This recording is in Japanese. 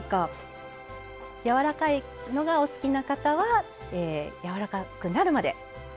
やわらかいのがお好きな方はやわらかくなるまで。